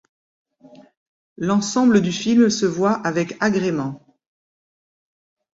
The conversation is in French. L'ensemble du film se voit avec agrément.